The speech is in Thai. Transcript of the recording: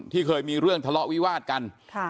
เคยมีเรื่องทะเลาะวิวาดกัน